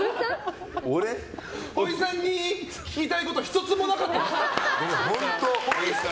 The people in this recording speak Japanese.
ほいさんに聞きたいこと１つもなかったんですか？